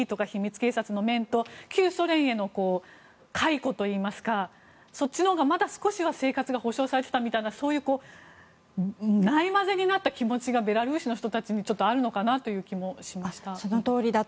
警察の面と旧ソ連への回顧といいますかそっちのほうがまだ生活が保障されていたみたいなそういうないまぜになった気持ちがベラルーシの人たちにあるのかなという気もしました。